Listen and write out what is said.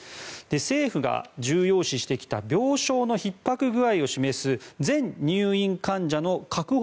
政府が重要視してきた病床のひっ迫具合を示す全入院患者の確保